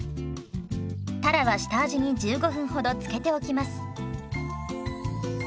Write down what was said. たらは下味に１５分ほど漬けておきます。